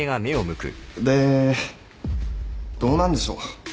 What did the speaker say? でどうなんでしょう？